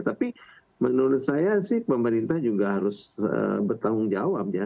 tapi menurut saya sih pemerintah juga harus bertanggung jawab ya